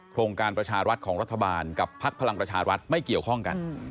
โครงการประชารัฐของรัฐบาลกับพักพลังประชารัฐไม่เกี่ยวข้องกัน